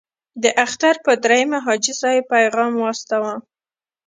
د اختر په دریمه حاجي صاحب پیغام واستاوه.